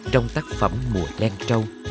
trong tác phẩm mùa len trâu